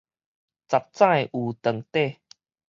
十指有長短